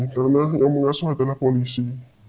karena yang mengasuh adalah polisi